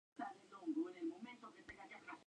Traducción de Jorge Seca.